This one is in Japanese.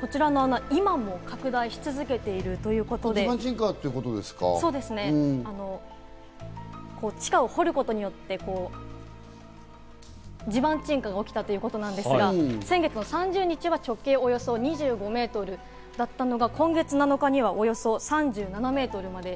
こちらの穴、今も拡大し続けているということで、地下を掘ることによって地盤沈下が起きたということなんですが、先月の３０日が直径およそ２５メートルだったのが今月７日にはおよそ３７メートルまで。